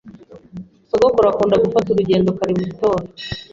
Sogokuru akunda gufata urugendo kare mu gitondo.